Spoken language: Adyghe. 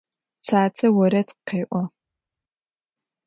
Цацэ орэд къеӏо.